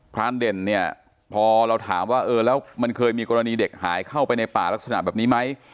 รานเด่นเนี่ยพอเราถามว่าเออแล้วมันเคยมีกรณีเด็กหายเข้าไปในป่าลักษณะแบบนี้ไหม